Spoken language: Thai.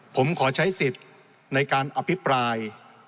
ผมขอใช้สิทธิ์ในการอภิปราย